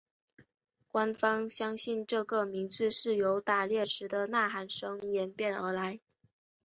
官方相信这个名字是由打猎时的呐喊声演变而来。